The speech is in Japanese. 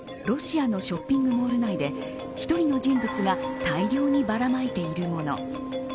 ロシアのショッピングモール内で１人の人物が大量にばらまいているもの。